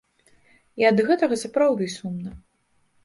І ад гэтага сапраўды сумна.